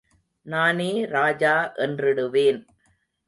நானே ராஜா என்றிடுவேன்.